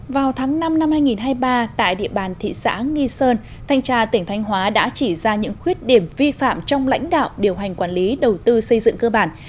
vào tháng năm năm hai nghìn hai mươi ba tại địa bàn thị xã nghi sơn thanh tra tỉnh thanh hóa đã chỉ ra những khuyết điểm vi phạm trong lãnh đạo điều hành quản lý đầu tư xây dựng cơ bản